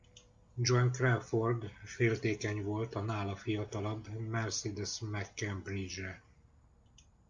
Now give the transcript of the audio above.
Joan Crawford féltékeny volt a nála fiatalabb Mercedes McCambidge-re.